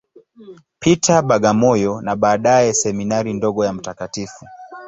Peter, Bagamoyo, na baadaye Seminari ndogo ya Mt.